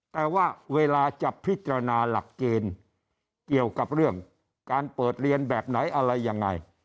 แต่ว่าเวลาจะพิจารณาหลักเกณฑ์เกี่ยวกับเรื่องการเปิดเรียนแบบไหนอะไรยังไง